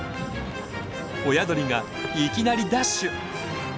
親鳥がいきなりダッシュ！